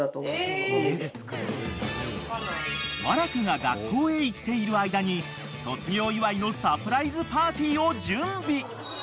［和楽が学校へ行っている間に卒業祝いのサプライズパーティーを準備］